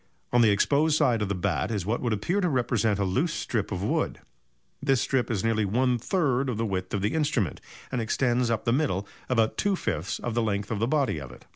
On the exposed side of the bat is what would appear to represent a loose strip of wood. This strip is nearly one third of the width of the instrument, and extends up the middle about two fifths of the length of the body of it.